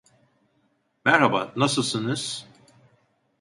Merhaba, nasılsınız?